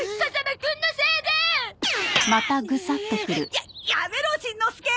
ややめろしんのすけ！